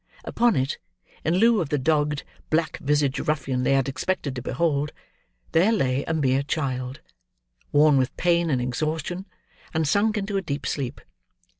Upon it, in lieu of the dogged, black visaged ruffian they had expected to behold, there lay a mere child: worn with pain and exhaustion, and sunk into a deep sleep.